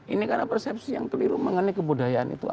ini karena persepsi yang keliru mengenai kebudayaan itu